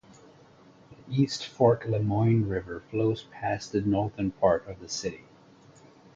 The East Fork Lamoine River flows past the northern part of the city.